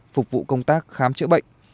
phục vụ công tác khám chữa bệnh